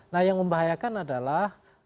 nah yang membahayakan adalah